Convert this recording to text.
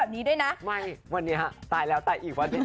เอ้าไปเต้นแอวหวานที่ไหนมาหรือเปล่า